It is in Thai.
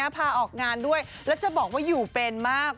พาออกงานด้วยแล้วจะบอกว่าอยู่เป็นมาก